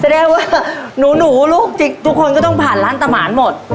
แสดงว่าหนูหนูลูกทิกทุกคนก็ต้องผ่านร้านตามมารหมด